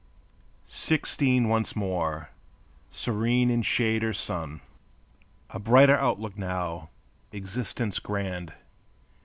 Sixteen once more! Serene in shade or sun, A brighter outlook now; existence grand!